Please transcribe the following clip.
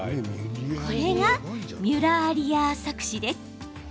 これがミュラーリヤー錯視です。